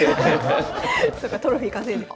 そっかトロフィー稼いでる。